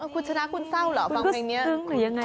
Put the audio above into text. คุณชนะคุณเศร้าเหรอฟังเพลงนี้